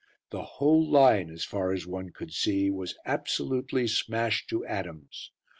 The whole line, as far as one could see, was absolutely smashed to atoms.